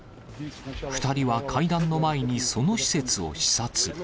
２人は会談の前にその施設を視察。